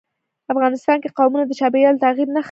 افغانستان کې قومونه د چاپېریال د تغیر نښه ده.